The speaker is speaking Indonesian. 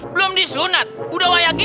belum disunat udah wayak ini